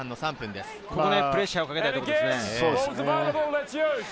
ここはプレッシャーをかけたいところですね。